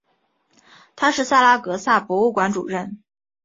他是萨拉戈萨博物馆主任。